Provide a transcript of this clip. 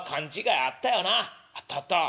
「あったあった。